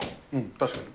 確かに。